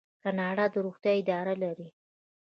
کاناډا د روغتیا اداره لري.